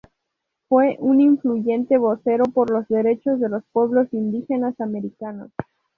Fue un influyente vocero por los derechos de los pueblos indígenas americanos.